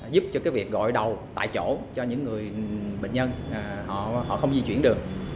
giúp cho cái việc gọi đầu tại chỗ cho những người bệnh nhân họ không di chuyển được